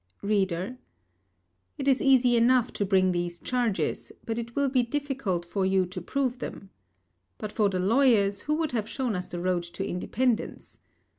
READER: It is easy enough to bring these charges, but it will be difficult for you to prove them. But for the lawyers, who would have shown us the road to independence?